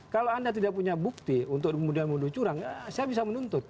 kalau anda tidak punya bukti untuk kemudian menuduh curang saya bisa menuntut